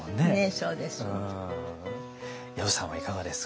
そうです。